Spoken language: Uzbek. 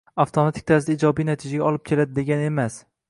avtomatik tarzda ijobiy natijaga olib keladi degani emas.